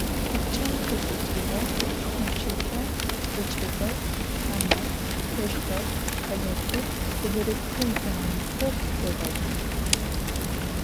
Упкӏэм хэшӏыкӏыгъэ шхончылъэр ыкӏыбэу, къамэр, сэшхор, къэлатыр бгырыпхым зэнэмысэу пылъыгъэх.